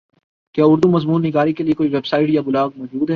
کیا اردو مضمون نگاری کیلئے کوئ ویبسائٹ یا بلاگ موجود ہے